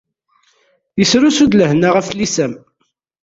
Isrusu-d lehna ɣef tlisa-m.